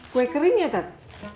kue kering ya dad